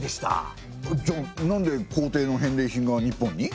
じゃあ何で皇帝の返礼品が日本に？